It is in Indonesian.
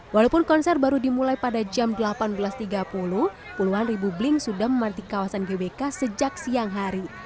walaupun konser baru dimulai pada jam delapan belas tiga puluh puluhan ribu bling sudah memantik kawasan gbk sejak siang hari